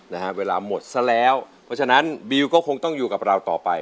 นะฮะเวลาหมดซะแล้วเพราะฉะนั้นบิวก็คงต้องอยู่กับเราต่อไป